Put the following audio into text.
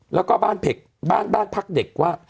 แล้วก็บ้านบ้านพักเด็กว่า